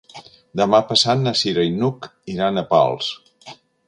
Demà passat na Cira i n'Hug iran a Pals.